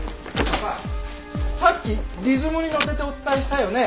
あのささっきリズムにのせてお伝えしたよね？